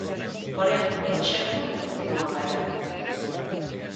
Porén, o proxecto continúa encallado.